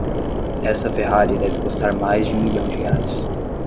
Essa Ferrari deve custar mais de um milhão de reais.